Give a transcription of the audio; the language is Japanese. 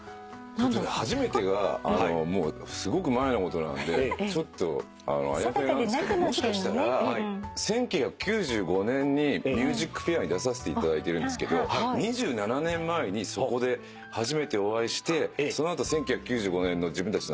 初めてがすごく前のことなんでちょっとあやふやなんですけどもしかしたら１９９５年に『ＭＵＳＩＣＦＡＩＲ』に出させていただいてるんですけど２７年前にそこで初めてお会いしてその後１９９５年の自分たちのアルバムに参加してもらったり。